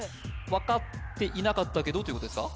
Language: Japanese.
わかっていなかったけどってことですか？